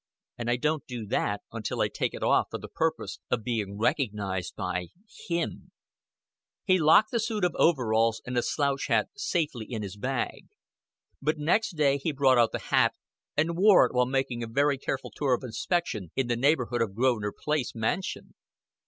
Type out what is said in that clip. And I don't do that, until I take it off for the purpose of being recognized by him." He locked the suit of overalls and the slouch hat safely in his bag. But next day he brought out the hat, and wore it while making a very careful tour of inspection in the neighborhood of the Grosvenor Place mansion.